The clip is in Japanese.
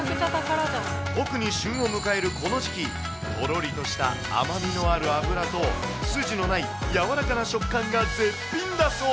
特に旬を迎えるこの時期、とろりとした甘みのある脂と、筋のない柔らかな食感が絶品だそう。